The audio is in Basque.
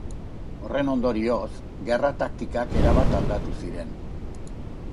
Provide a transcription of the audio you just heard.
Horren ondorioz, gerra-taktikak erabat aldatu ziren.